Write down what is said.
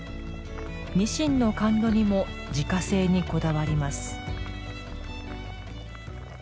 にしんの甘露煮も自家製にこだわります。